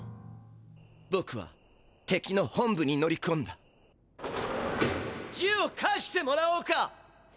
ぼくはてきの本部に乗りこんだ「ジュウを返してもらおうか」。